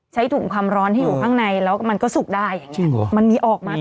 ใช้ถุงคำร้อนที่อยู่ข้างในแล้วมันก็สุกได้